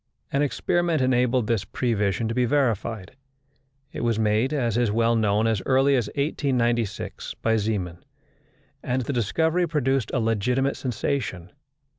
An experiment enabled this prevision to be verified. It was made, as is well known, as early as 1896 by Zeeman; and the discovery produced a legitimate sensation.